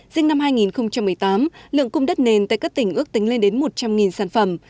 dinh năm hai nghìn một mươi tám lượng cung đất nền tại các tỉnh ước tính lên đến một trăm linh sản phẩm